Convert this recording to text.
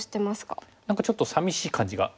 何かちょっとさみしい感じが。